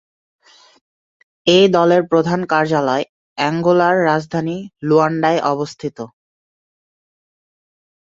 এই দলের প্রধান কার্যালয় অ্যাঙ্গোলার রাজধানী লুয়ান্ডায় অবস্থিত।